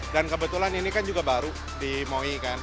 dan kebetulan ini kan juga baru di moi kan